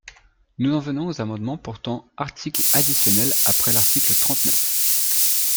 Nous en venons aux amendements portant articles additionnels après l’article trente-neuf.